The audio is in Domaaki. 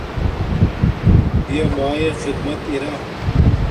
پیا مایے خدمت ارا